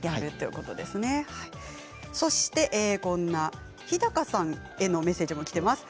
そして日高さんへのメッセージもきています。